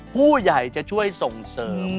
ผู้ใหญ่จะช่วยส่งเสริม